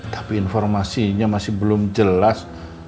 tapi informasinya masih belum jelas